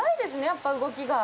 やっぱ動きが。